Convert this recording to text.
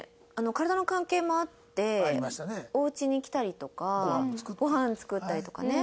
体の関係もあっておうちに来たりとかごはん作ったりとかね。